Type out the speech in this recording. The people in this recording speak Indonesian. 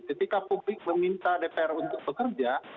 ketika publik meminta dpr untuk bekerja